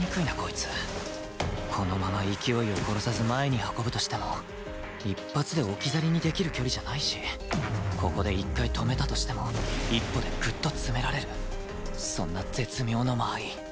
このまま勢いを殺さず前に運ぶとしても１発で置き去りにできる距離じゃないしここで一回止めたとしても１歩でグッと詰められるそんな絶妙の間合い